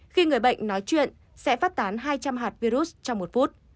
khi người bệnh nói chuyện sẽ phát tán hai trăm linh hạt virus trong một phút